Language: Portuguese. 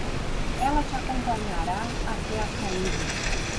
Ela te acompanhará até a saída